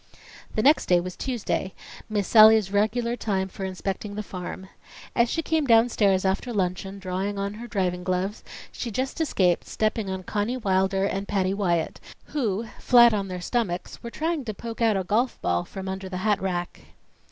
The next day was Tuesday, Miss Sallie's regular time for inspecting the farm. As she came downstairs after luncheon drawing on her driving gloves, she just escaped stepping on Conny Wilder and Patty Wyatt who, flat on their stomachs, were trying to poke out a golf ball from under the hat rack.